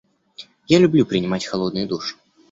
Я люблю принимать холодный душ.